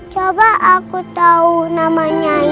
coba aku tahu nama nyai